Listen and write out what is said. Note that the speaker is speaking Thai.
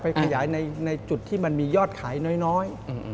ขยายในจุดที่มันมียอดขายน้อย